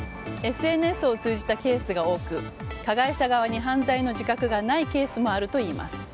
ＳＮＳを通じたケースが多く加害者側に犯罪の自覚がないケースもあるといいます。